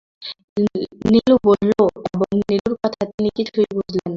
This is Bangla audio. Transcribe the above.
নীলু বলল, এবং নীলুর কথা তিনি কিছুই বুঝলেন না।